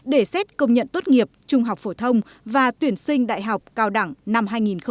để xét công nhận tốt nghiệp trung học phổ thông và tuyển sinh đại học cao đẳng năm hai nghìn hai mươi